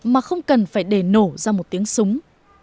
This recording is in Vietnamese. mà không cần phải để nổ ra một tiếng súng